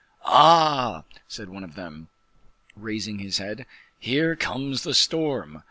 "Ah!" said one of them, raising his head, "here comes the storm.